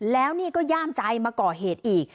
แล้วนี่ก็ย่ามใจมาก่อเหตุอีก